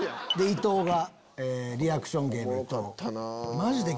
伊東がリアクション芸で。